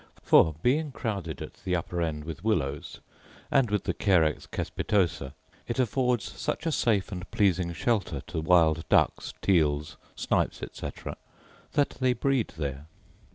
For, being crowded at the upper end with willows, and with the carex cespitosa,* it affords such a safe and pleasing shelter to wild ducks, teals, snipes, etc., that they breed there.